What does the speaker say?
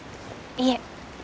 いえ。